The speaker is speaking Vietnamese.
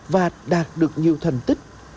và đạt được nhiều thành tích